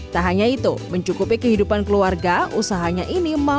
tak hanya itu mencukupi kehidupan keluarga usahanya ini mampu